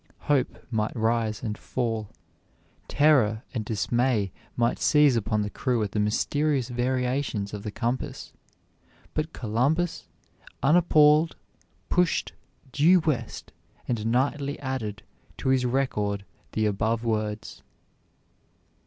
Hope might rise and fall, terror and dismay might seize upon the crew at the mysterious variations of the compass, but Columbus, unappalled, pushed due west and nightly added to his record the above words.